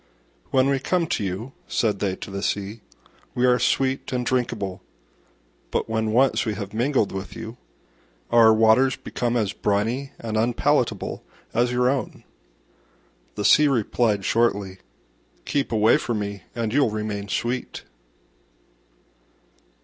"When we come to you," said they to the Sea, "we are sweet and drinkable: but when once we have mingled with you, our waters become as briny and unpalatable as your own." The Sea replied shortly, "Keep away from me and you'll remain sweet."